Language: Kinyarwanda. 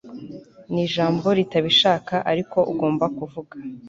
Nijambo ritabishaka ariko ugomba kuvuga